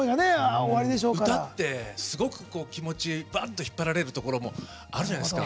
歌って、すごく気持ちを引っ張られるところもあるじゃないですか。